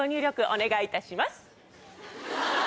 お願いいたします。